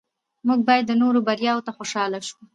موږ باید د نورو بریاوو ته خوشحاله شو